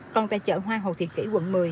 còn tại chợ hoa hồ thị kỷ quận một mươi